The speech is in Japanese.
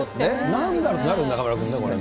なんだろうってなるね、中丸君、これね。